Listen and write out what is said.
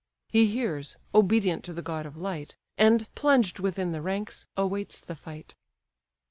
He hears, obedient to the god of light, And, plunged within the ranks, awaits the fight.